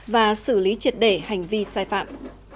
và xử lý triệt để hành vi sai phạm